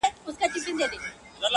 چي تندي كي دي سجدې ورته ساتلې؛